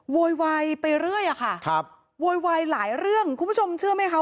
โวยวายไปเรื่อยอะค่ะครับโวยวายหลายเรื่องคุณผู้ชมเชื่อไหมคะ